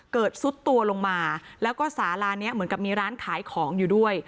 ซุดตัวลงมาแล้วก็สาลานี้เหมือนกับมีร้านขายของอยู่ด้วย